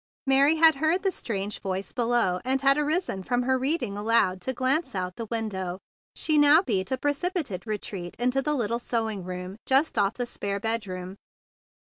Mary had heard the strange voice below and arisen from her reading aloud to glance out of the window. She now beat a precipitate re 164 THE BIG BLUE SOLDIER treat into the little sewing room just off the spare bedroom.